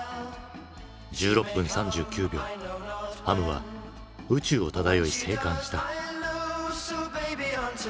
１６分３９秒ハムは宇宙を漂い生還した。